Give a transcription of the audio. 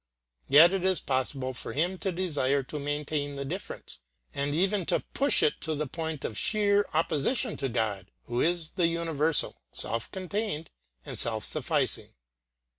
Yet it is possible for him to desire to maintain the difference and even to push it to the point of sheer opposition to God, who is the universal, self contained and self sufficing.